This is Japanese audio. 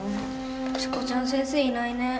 しこちゃん先生いないね。